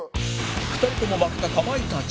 ２人とも負けたかまいたち。